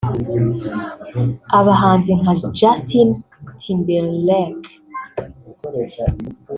abahanzi nka Justin Timberlake